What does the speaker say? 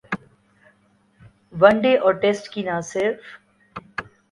one day اور test کی نہ صرف